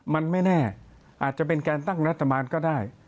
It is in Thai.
มันไม่แน่อาจจะเป็นการตั้งรัฐบาลก็ได้